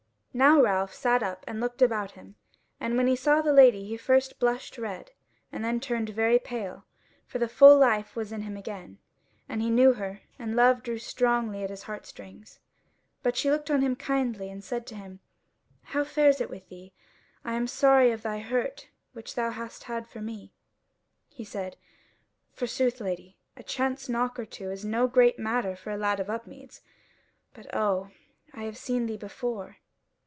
Now Ralph sat up and looked about him, and when he saw the Lady he first blushed red, and then turned very pale; for the full life was in him again, and he knew her, and love drew strongly at his heart strings. But she looked on him kindly and said to him: "How fares it with thee? I am sorry of thy hurt which thou hast had for me." He said: "Forsooth, Lady, a chance knock or two is no great matter for a lad of Upmeads. But oh! I have seen thee before."